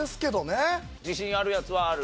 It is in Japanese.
自信あるやつはある？